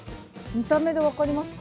見た目で分かりますか？